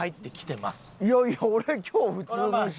いやいや俺今日普通の衣装。